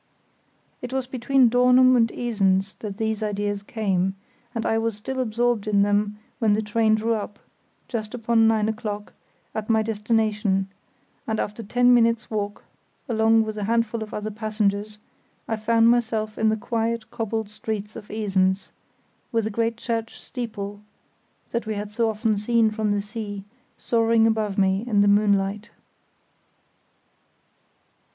It was between Dornum and Esens that these ideas came, and I was still absorbed in them when the train drew up, just upon nine o'clock, at my destination, and after ten minutes' walk, along with a handful of other passengers, I found myself in the quiet cobbled streets of Esens, with the great church steeple, that we had so often seen from the sea, soaring above me in the moonlight.